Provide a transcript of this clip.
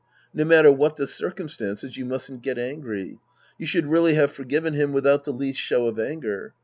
No matter what the circumstances, you mustn't get angry. You should really have forgiven him without the least show of anger.